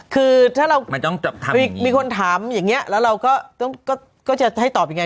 คือถ้าเรามีคนถามอย่างนี้แล้วเราก็จะให้ตอบยังไง